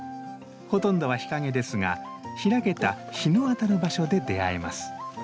ほとんどは日陰ですが開けた日の当たる場所で出会えます。